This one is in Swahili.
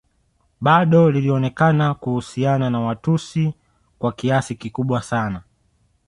Bado lilionekana kuhusiana na Watusi kwa kiasi kikubwa sana